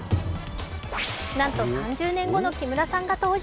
なんと３０年後の木村さんが登場。